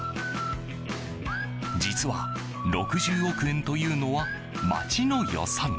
実は、６０億円というのは町の予算。